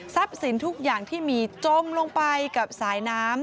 สินทุกอย่างที่มีจมลงไปกับสายน้ำ